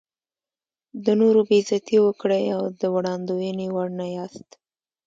د نورو بې عزتي وکړئ او د وړاندوینې وړ نه یاست.